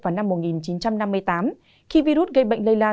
vào năm một nghìn chín trăm năm mươi tám khi virus gây bệnh lây lan